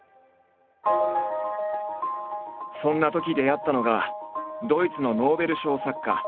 そんなとき出会ったのがドイツのノーベル賞作家